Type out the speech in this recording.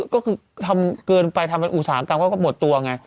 ก็คือทำเกินไปทำเป็นอุตสาหกรรมเขาก็หมดตัวไง